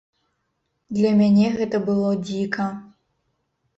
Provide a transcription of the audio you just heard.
Для мяне гэта было дзіка.